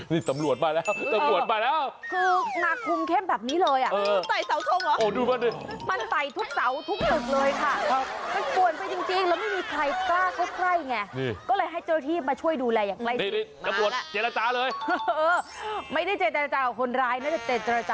นี่สังปวดมาแล้วสังปวดมาแล้ว